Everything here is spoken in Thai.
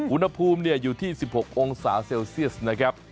อุณหภูมิอยู่ที่๑๖องศาเซลเซียสนะครับ